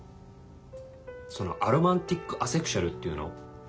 そのアロマンティック・アセクシュアルっていうの？